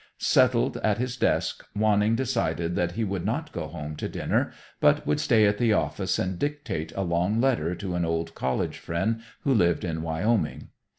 Settled at his desk, Wanning decided that he would not go home to dinner, but would stay at the office and dictate a long letter to an old college friend who lived in Wyoming.